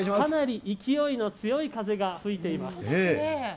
かなり勢いの強い風が吹いています。